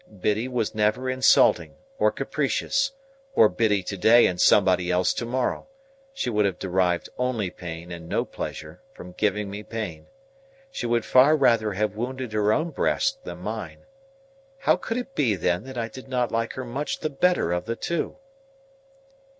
Biddy was never insulting, or capricious, or Biddy to day and somebody else to morrow; she would have derived only pain, and no pleasure, from giving me pain; she would far rather have wounded her own breast than mine. How could it be, then, that I did not like her much the better of the two?